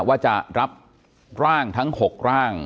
ว่าจะรับร่างทั้ง๖ร่าง